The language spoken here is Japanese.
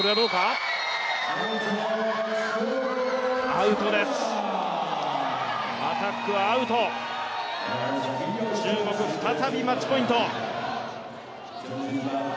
アタックはアウト、中国再びマッチポイント。